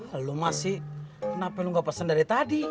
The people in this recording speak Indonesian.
lama sih kenapa lu nggak pesen dari tadi